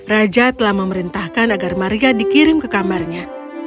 raja telah memerintahkan agar maria dikirim ke kamarnya